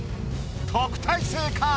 特待生か？